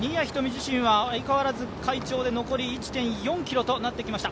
自身は相変わらず快調で残り１．４ｋｍとなってきました。